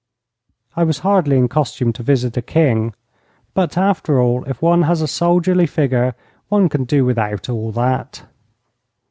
I was hardly in costume to visit a King; but, after all, if one has a soldierly figure one can do without all that.